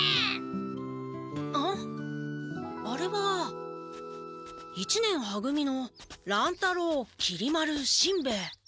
あれは一年は組の乱太郎きり丸しんべヱ。